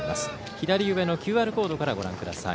左上のＱＲコードからご覧ください。